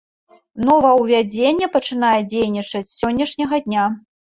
Новаўвядзенне пачынае дзейнічаць з сённяшняга дня.